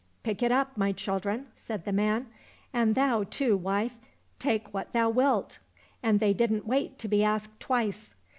" Pick it up, my children," said the man, " and thou too, wife, take what thou wilt !"— ^And they didn't wait to be asked twice.